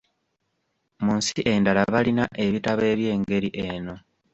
Mu nsi endala balina ebitabo eby'engeri eno.